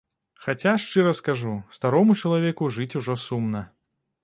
Хаця, шчыра скажу, старому чалавеку жыць ужо сумна.